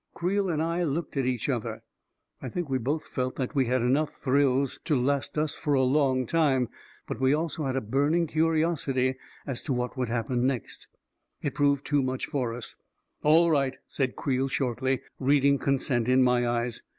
Creel and I looked at each other. I think we both felt that we had had thrills enough to last for a long time — but we also had a burning curiosity as to what would happen next. It proved too much for us. " All right," said Creel shortly, reading consent in my eyes.